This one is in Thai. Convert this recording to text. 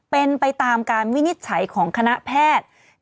เป็นไปตามการวินิจฉัยของคณะแพทย์